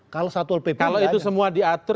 kalau itu semua diatur